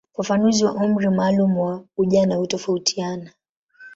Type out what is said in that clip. Ufafanuzi wa umri maalumu wa ujana hutofautiana.